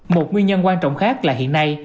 một nguyên nhân quan trọng khác là hiện nay